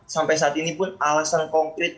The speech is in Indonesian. sampai saat ini pun alasan konkret